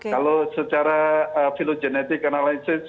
kalau secara phylogenetic analysis